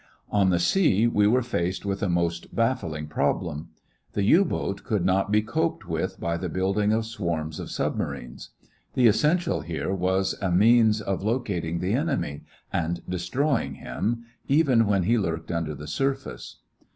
On the sea we were faced with a most baffling problem. The U boat could not be coped with by the building of swarms of submarines. The essential here was a means of locating the enemy and destroying him even while he lurked under the surface.